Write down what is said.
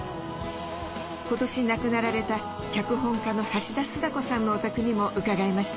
今年亡くなられた脚本家の橋田壽賀子さんのお宅にも伺いました。